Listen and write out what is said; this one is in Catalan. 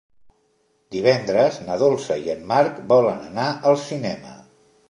Divendres na Dolça i en Marc volen anar al cinema.